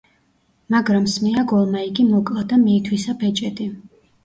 მაგრამ სმეაგოლმა იგი მოკლა და მიითვისა ბეჭედი.